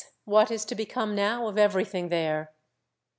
what is to become now of everything there?